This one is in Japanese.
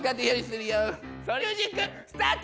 ミュージックスタート！